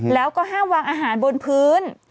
แล้วก็ห้ามวางอาหารบนพื้น